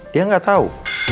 dia gak tau